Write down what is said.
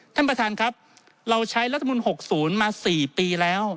ท่านประธานครับเราใช้รัฐมนุน๖๐มา๔ปีแล้ว